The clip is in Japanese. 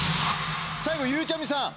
最後ゆうちゃみさん